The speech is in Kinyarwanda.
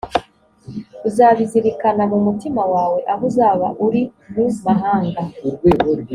uzabizirikana mu mutima wawe aho uzaba uri mu mahanga